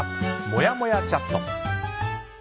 もやもやチャット。